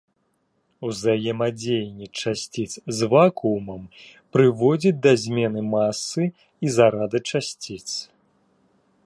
Узаемадзеянне часціц з вакуумам прыводзіць да змены масы і зарада часціц.